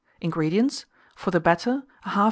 INGREDIENTS. For the batter: 1/2 lb.